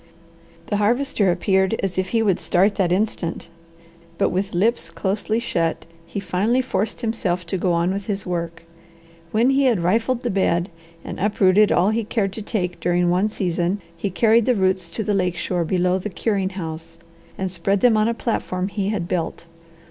The Harvester appeared as if he would start that instant, but with lips closely shut he finally forced himself to go on with his work. When he had rifled the bed, and uprooted all he cared to take during one season, he carried the roots to the lake shore below the curing house, and spread them on a platform he had built.